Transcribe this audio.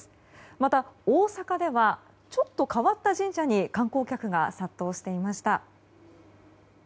また、大阪ではちょっと変わった神社に観光客が殺到していました。